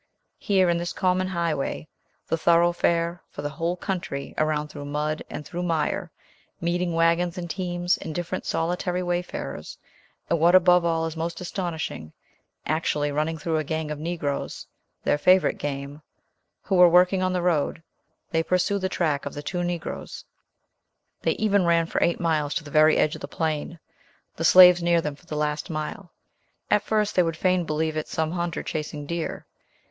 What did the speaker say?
Here, in this common highway the thoroughfare for the whole country around through mud and through mire, meeting waggons and teams, and different solitary wayfarers, and, what above all is most astonishing, actually running through a gang of Negroes, their favourite game, who were working on the road, they pursue the track of the two Negroes; they even ran for eight miles to the very edge of the plain the slaves near them for the last mile. At first they would fain believe it some hunter chasing deer.